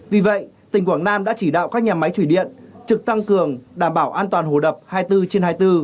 vì vậy tỉnh quảng nam đã chỉ đạo các nhà máy thủy điện trực tăng cường đảm bảo an toàn hồ đập hai mươi bốn trên hai mươi bốn